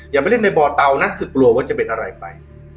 อย่าไปเล่นในบ่อเตานะคือกลัวว่าจะเป็นอะไรไป